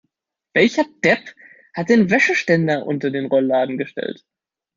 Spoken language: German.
Welcher Depp hat den Wäscheständer unter den Rollladen gestellt?